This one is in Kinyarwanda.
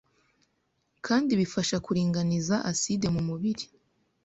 kandi bifasha kuringaniza aside mu mubiri